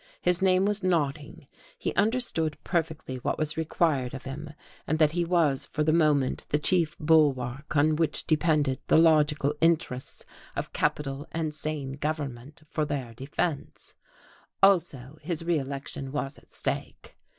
His name was Notting, he understood perfectly what was required of him, and that he was for the moment the chief bulwark on which depended the logical interests of capital and sane government for their defence; also, his re election was at stake.